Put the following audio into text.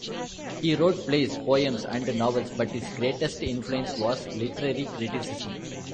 He wrote plays, poems, and novels, but his greatest influence was literary criticism.